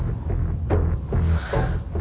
はあ。